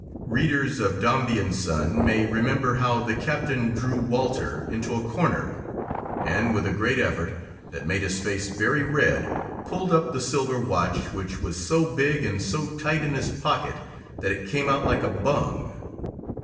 Readers of Dombey and Son may remember how "the Captain drew Walter into a corner, and with a great effort, that made his face very red, pulled up the silver watch, which was so big and so tight in his pocket that it came out like a bung.